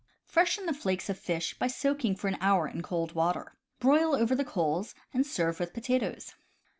— Freshen the flakes of fish by soaking for an hour in cold water. Broil over the coals, and serve with potatoes.